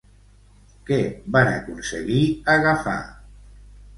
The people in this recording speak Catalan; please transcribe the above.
Què van aconseguir agafar?